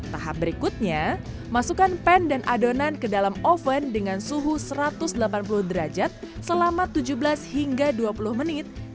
tahap berikutnya masukkan pan dan adonan ke dalam oven dengan suhu satu ratus delapan puluh derajat selama tujuh belas hingga dua puluh menit